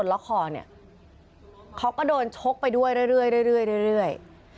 เขาก็โดนโชคไปเรื่อย